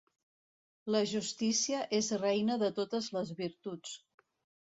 La justícia és reina de totes les virtuts.